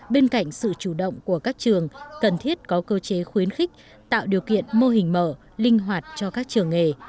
bên cạnh sự chủ động của các trường cần thiết có cơ chế khuyến khích tạo điều kiện mô hình mở linh hoạt cho các trường nghề